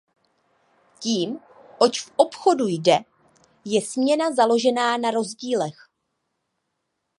Tím, oč v obchodu jde, je směna založená na rozdílech.